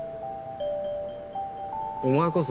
お前こそ。